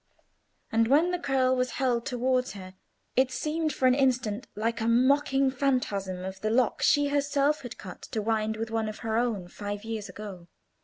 And when the curl was held towards her, it seemed for an instant like a mocking phantasm of the lock she herself had cut to wind with one of her own five years ago.